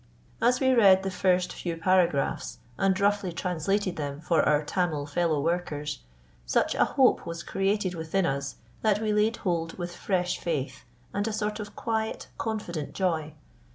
As we read the first few paragraphs and roughly translated them for our Tamil fellow workers, such a hope was created within us that we laid hold with fresh faith and a sort of quiet, confident joy.